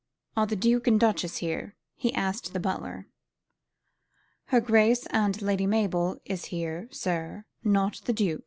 "Are the Duke and Duchess here?" he asked the butler. "Her Grace and Lady Mabel is here, sir; not the Dook."